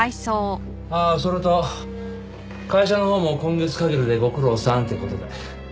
ああそれと会社のほうも今月限りでご苦労さんって事で。